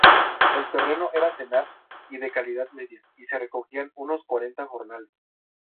El terreno era tenaz y de calidad mediana, y se recogían unos cuarenta jornales.